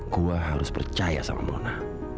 gue harus percaya sama mona